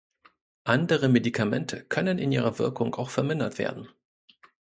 Andere Medikamente können in ihrer Wirkung auch vermindert werden.